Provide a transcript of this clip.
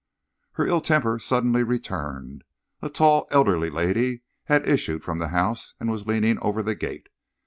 Her ill temper suddenly returned. A tall, elderly lady had issued from the house and was leaning over the gate.